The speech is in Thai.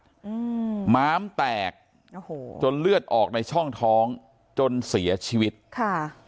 อืมม้ามแตกโอ้โหจนเลือดออกในช่องท้องจนเสียชีวิตค่ะ